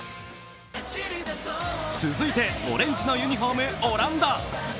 続いて、オレンジのユニフォーム、オランダ。